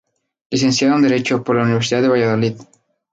Licenciado en Derecho por la Universidad de Valladolid.